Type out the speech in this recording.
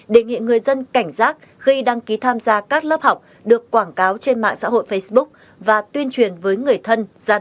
đề nghị người dân cảnh giác khi đăng ký tham gia các lớp học được quảng cáo trên mạng xã hội facebook và tuyên truyền với người thân gia đình bạn bè về thủ đoạn trên